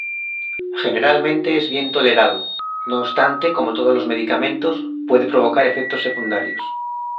Generalmente es bien tolerado, no obstante como todos los medicamentos, puede provocar efectos secundarios.